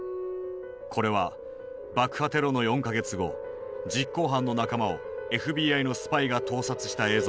これは爆破テロの４か月後実行犯の仲間をＦＢＩのスパイが盗撮した映像である。